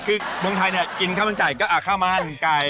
คือเมืองไทยกินข้าวมันไก่ก็ข้าวมันไก่